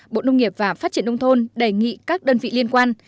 bộ nông nghiệp và phát triển nông thôn đề nghị các đơn vị liên quan